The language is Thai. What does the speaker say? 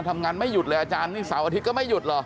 ทำงานไม่หยุดเลยอาจารย์นี่เสาร์อาทิตย์ก็ไม่หยุดเหรอ